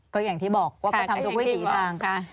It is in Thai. ก็อย่างที่บอกว่าก็ทำทุกวิถีทาง